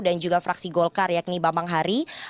dan juga fraksi golkar yakni bambang hari